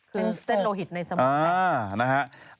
เป็นเส้นโลหิตในสมองแน่